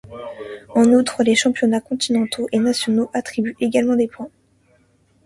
En outre, les championnats continentaux et nationaux attribuent également des points.